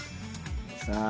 さあ。